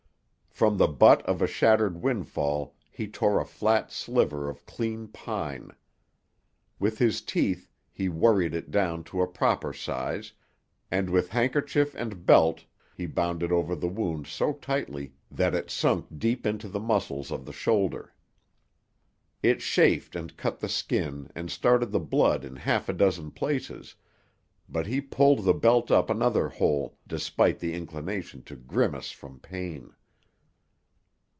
From the butt of a shattered windfall he tore a flat sliver of clean pine. With his teeth he worried it down to a proper size, and with handkerchief and belt he bound it over the wound so tightly that it sunk deep into the muscles of the shoulder. It chafed and cut the skin and started the blood in half a dozen places, but he pulled the belt up another hole despite the inclination to grimace from pain.